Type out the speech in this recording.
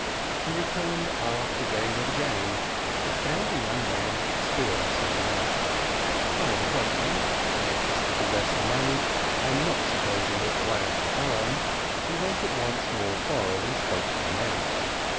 He returned aft again and again; but found the young man still sitting up. Tired of waiting, anxious to possess the money, and supposing that the lads were armed, he went once more forward and spoke to the men.